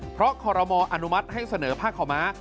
เพราะคอรมออนุมัติให้เสนอผ้าขาวม้า